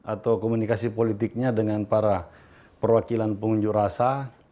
atau komunikasi politiknya dengan para perwakilan pengunjuk rasa